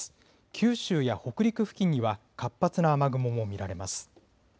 九州や北陸付近には活発な雨雲も見られます。